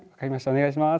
お願いします。